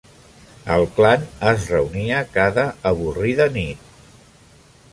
El clan es reunia cada avorrida nit.